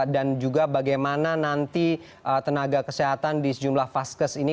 dan juga bagaimana nanti tenaga kesehatan di sejumlah vaskes ini